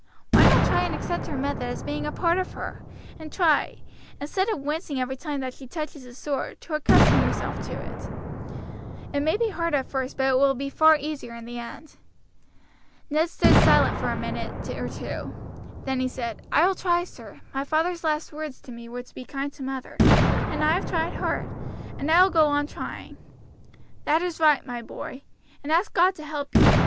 Why not try and accept her method as being a part of her, and try, instead of wincing every time that she touches the sore, to accustom yourself to it. It may be hard at first, but it will be far easier in the end." Ned stood silent for a minute or two; then he said: "I will try, sir. My father's last words to me were to be kind to mother, and I have tried hard, and I will go on trying." "That is right, my boy; and ask God to help you.